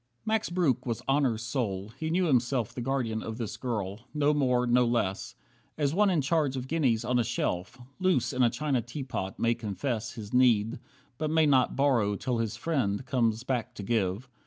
36 Max Breuck was honour's soul, he knew himself The guardian of this girl; no more, no less. As one in charge of guineas on a shelf Loose in a china teapot, may confess His need, but may not borrow till his friend Comes back to give.